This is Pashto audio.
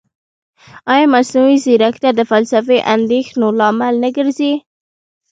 ایا مصنوعي ځیرکتیا د فلسفي اندېښنو لامل نه ګرځي؟